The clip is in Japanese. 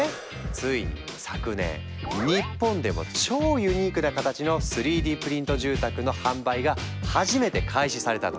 ついに昨年日本でも超ユニークな形の３Ｄプリント住宅の販売が初めて開始されたの。